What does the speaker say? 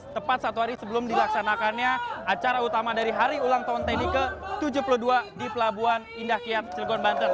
tepat satu hari sebelum dilaksanakannya acara utama dari hari ulang tahun tni ke tujuh puluh dua di pelabuhan indah kiat cilegon banten